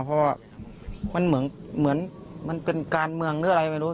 เพราะว่ามันเหมือนมันเป็นการเมืองหรืออะไรไม่รู้